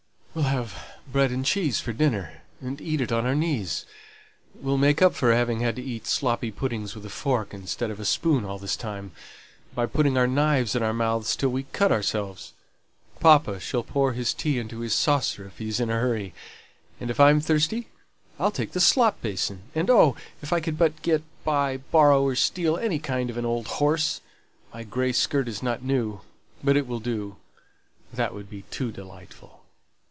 "We'll have bread and cheese for dinner, and eat it on our knees; we'll make up for having had to eat sloppy puddings with a fork instead of a spoon all this time, by putting our knives in our mouths till we cut ourselves. Papa shall pour his tea into his saucer if he's in a hurry; and if I'm thirsty, I'll take the slop basin. And oh, if I could but get, buy, borrow, or steal any kind of an old horse; my grey skirt isn't new, but it will do; that would be too delightful!